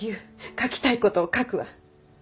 書きたい事を書くわ。